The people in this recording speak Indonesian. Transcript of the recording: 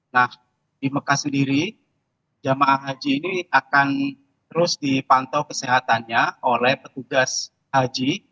nah di mekah sendiri jemaah haji ini akan terus dipantau kesehatannya oleh petugas haji